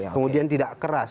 kemudian tidak keras